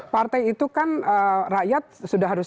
partai itu kan rakyat sudah harus